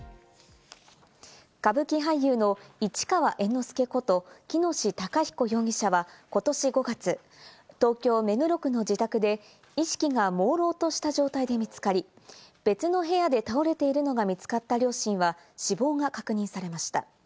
歌舞伎俳優の市川猿之助こと喜熨斗孝彦容疑者は、ことし５月、東京・目黒区の自宅で意識がもうろうとした状態で見つかり、別の部屋で倒れているのが見つかった両親は、死亡が確認されました。